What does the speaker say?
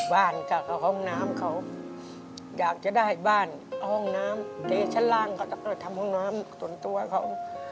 ค่ะก็ห้องน้ำเขาอยากจะได้บ้านเอาห้องน้ำที่ชั้นล่างเขาก็ทำห้องน้ำส่วนตัวเขา